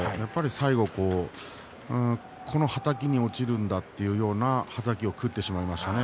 最後はこのはたきに落ちるんだというようなはたきを食ってしまいましたね。